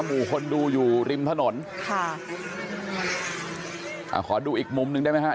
หมู่คนดูอยู่ริมถนนค่ะอ่าขอดูอีกมุมหนึ่งได้ไหมฮะ